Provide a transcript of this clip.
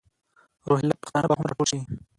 روهیله پښتانه به هم را ټول شي.